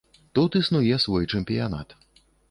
Тут існуе свой чэмпіянат.